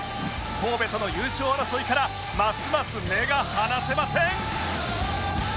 神戸との優勝争いからますます目が離せません！